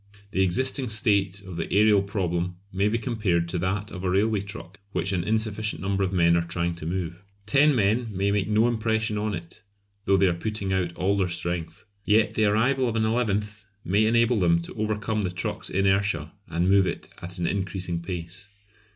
The existing state of the aërial problem may be compared to that of a railway truck which an insufficient number of men are trying to move. Ten men may make no impression on it, though they are putting out all their strength. Yet the arrival of an eleventh may enable them to overcome the truck's inertia and move it at an increasing pace.